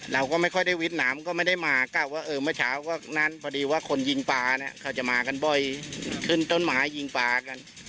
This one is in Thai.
เราก็ไม่ค่อยได้วิทย์น้ำก็ไม่ได้มากะว่าเออเมื่อเช้าก็นั้นพอดีว่าคนยิงปลาเนี่ยเขาจะมากันบ่อยขึ้นต้นไม้ยิงปลากัน